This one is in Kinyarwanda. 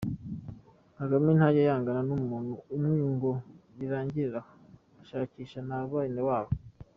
Kagame ntajya yangana n’umuntu umwe ngo birangirire aho, ashakisha na bene wabo.